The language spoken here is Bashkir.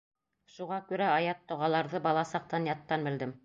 Шуға күрә аят-доғаларҙы бала саҡтан яттан белдем.